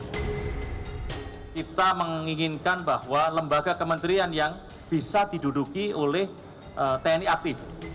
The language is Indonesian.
kita menginginkan bahwa lembaga kementerian yang bisa diduduki oleh tni aktif